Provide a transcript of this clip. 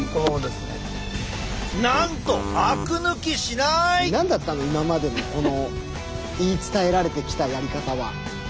なんと何だったの今までのこの言い伝えられてきたやり方は。